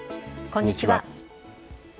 こんにちは。